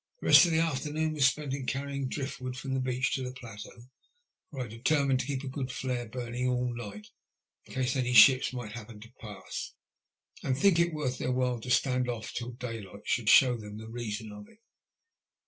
The rest of the afternoon was spent in carrying drift wood from the beach to the plateau ; for I had deter mined to keep a good flare burning all night, in case any ships might happen to pass, and think il worth their while to stand off and on till daylight should show them the reason of it.